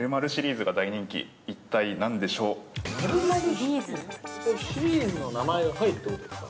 ◆○○シリーズ？◆シリーズの名前が入るということですか？